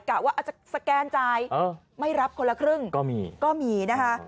กะว่าสแกนจ่ายไม่รับคนละครึ่งก็มีนะคะ